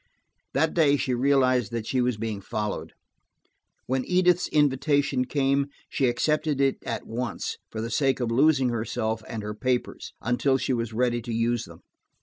That day she realized that she was being followed. When Edith's invitation came she accepted it at once, for the sake of losing herself and her papers, until she was ready to use them.